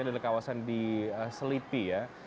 adalah kawasan di selipi ya